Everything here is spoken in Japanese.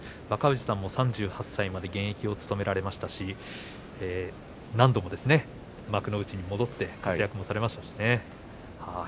若藤さんも３８歳まで現役を務められましたし何度も幕内に戻って活躍もされました。